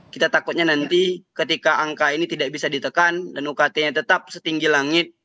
kita takutnya nanti ketika angka ini tidak bisa ditekan dan ukt nya tetap setinggi langit